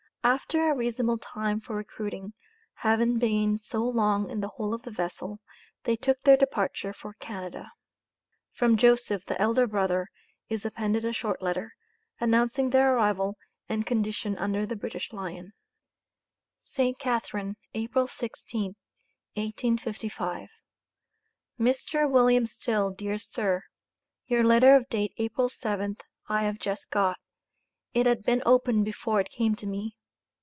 After a reasonable time for recruiting, having been so long in the hole of the vessel, they took their departure for Canada. From Joseph, the elder brother, is appended a short letter, announcing their arrival and condition under the British Lion SAINT CATHARINE, April 16, 1855. MR. WILLIAM STILL, DEAR SIR: Your letter of date April 7th I have just got, it had been opened before it came to me.